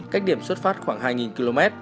cách điểm xuất phát khoảng hai nghìn km